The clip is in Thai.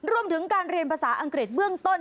รวมถึงการเรียนภาษาอังกฤษเบื้องต้น